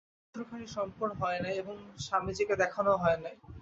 কিন্তু চিত্রখানি সম্পূর্ণ হয় নাই, এবং স্বামীজীকে দেখানও হয় নাই।